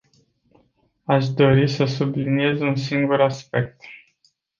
Aș dori să subliniez un singur aspect.